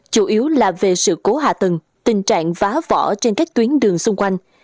chủ yếu là về sự cố hạ tầng tình trạng vá vỏ trên các tuyến đường xung quanh